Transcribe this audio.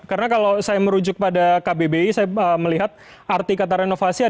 karena kalau saya merujuk pada kbbi saya melihat arti kata renovasi adalah pembaruan peremajaan penyempurnaan dan perubahan